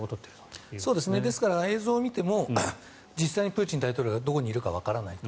ですから、映像を見ても実際にプーチン大統領がどこにいるかわからないと。